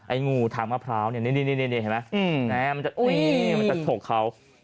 ไอ้งูทางมะพร้าวเนี่ยนี่มันจะฉกเขา